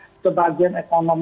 nah kebagian ekonomi